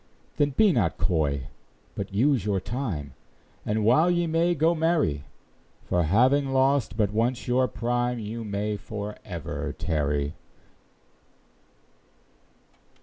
Then be not coy, but use your time, And while ye may, go marry; For having lost but once your prime, You may for ever tarry.